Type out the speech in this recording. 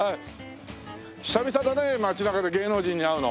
久々だね街中で芸能人に会うの。